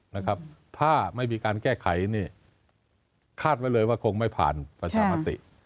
นะครับถ้าไม่มีการแก้ไขเนี่ยคาดไว้เลยว่าคงไม่ผ่านประชามติ